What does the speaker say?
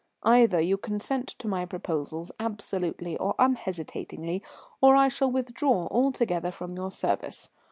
Either you consent to my proposals absolutely and unhesitatingly, or I shall withdraw altogether from your service.